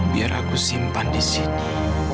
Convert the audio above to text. biar aku simpan disini